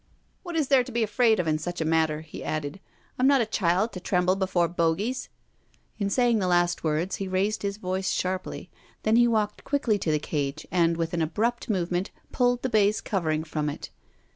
" What is there to be afraid of in such a matter ?" he added. " I'm not a child to tremble before bogies." In saying the last words he raised his voice sharply ; then he walked quickly to the cage, and, with an abrupt movement, pulled the baize cov ering from it.